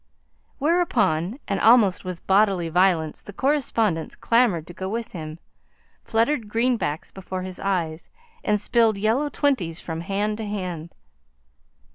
Whereupon and almost with bodily violence the correspondents clamoured to go with him, fluttered greenbacks before his eyes, and spilled yellow twenties from hand to hand.